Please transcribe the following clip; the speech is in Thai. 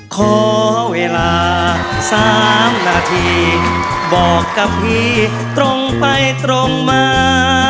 ขอเวลา๓นาทีบอกกับพี่ตรงไปตรงมา